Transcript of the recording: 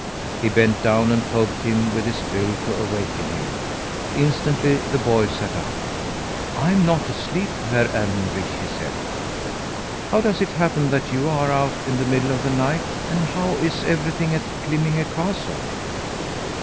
He bent down and poked him with his bill to awaken him. Instantly the boy sat up. "I'm not asleep, Herr Ermenrich," he said. "How does it happen that you are out in the middle of the night, and how is everything at Glimminge castle?